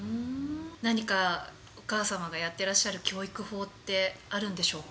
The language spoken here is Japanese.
何かお母様がやってらっしゃる教育法ってあるんでしょうか。